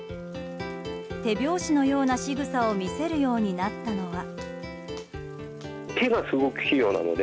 手拍子のようなしぐさを見せるようになったのは。